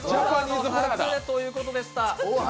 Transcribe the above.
ハズレということでした。